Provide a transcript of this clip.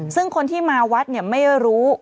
ซึ่งคนที่มาวัดเนี่ยไม่รู้